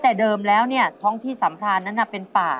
แต่เดิมแล้วเนี่ยท้องที่สัมพรานนั้นเป็นป่า